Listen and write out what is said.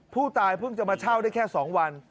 ผู้ตายเพิ่งจะมาเช่าได้แค่๒วัน